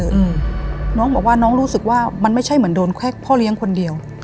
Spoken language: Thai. อืมน้องบอกว่าน้องรู้สึกว่ามันไม่ใช่เหมือนโดนแค่พ่อเลี้ยงคนเดียว